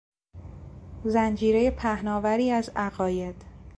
زنجیرهی پهناوری از عقاید